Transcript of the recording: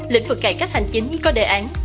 lĩnh vực cải cách hành chính có đề án